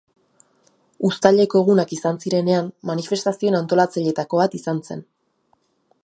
Uztaileko Egunak izan zirenean, manifestazioen antolatzaileetako bat izan zen.